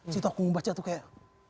situ aku membaca tuh kayak